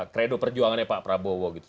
kredo perjuangannya pak prabowo gitu